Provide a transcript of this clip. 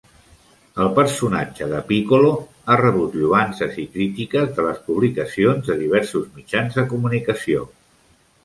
El personatge de Piccolo ha rebut lloances i crítiques de les publicacions de diversos mitjans de comunicació.